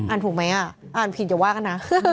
ถูกไหมอ่ะอ่านผิดอย่าว่ากันนะ